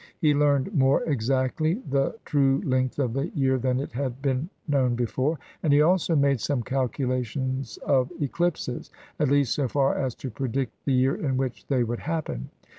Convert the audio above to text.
He learned more exactly the true length of the year than it had been known before; and he also made some calculations of eclipses, at least so far as to predict the year in which they would happen.